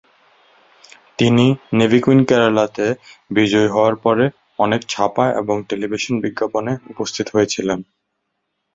তিনি "navy queen কেরালা"-তে বিজয়ী হওয়ার পরে অনেক ছাপা এবং টেলিভিশন বিজ্ঞাপনে উপস্থিত হয়েছিলেন।